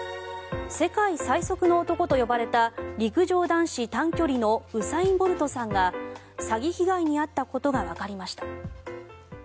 世界最速の男と呼ばれた陸上男子短距離のウサイン・ボルトさんが詐欺被害に遭ったことがわかりました。